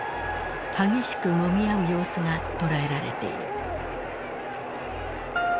激しくもみ合う様子が捉えられている。